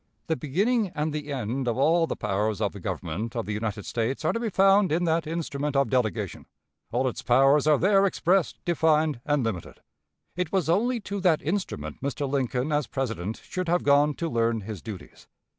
The beginning and the end of all the powers of the Government of the United States are to be found in that instrument of delegation. All its powers are there expressed, defined, and limited. It was only to that instrument Mr. Lincoln as President should have gone to learn his duties.